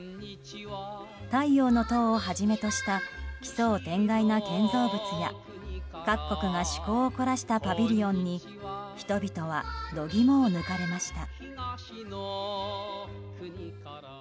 「太陽の塔」をはじめとした奇想天外な建造物や各国が趣向を凝らしたパビリオンに人々は度肝を抜かれました。